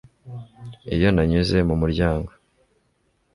iyo nanyuze mu muryango